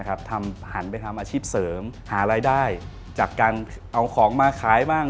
หันไปทำอาชีพเสริมหารายได้จากการเอาของมาขายบ้าง